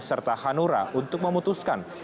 serta hanura untuk memutuskan